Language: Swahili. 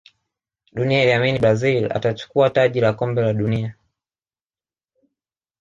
dunia iliamini brazil atachukua taji la kombe la dunia